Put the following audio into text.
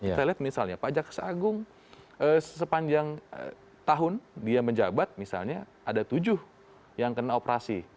kita lihat misalnya pak jaksa agung sepanjang tahun dia menjabat misalnya ada tujuh yang kena operasi